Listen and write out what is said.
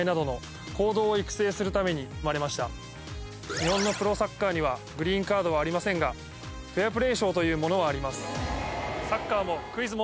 日本のプロサッカーにはグリーンカードはありませんがフェアプレー賞というものはあります。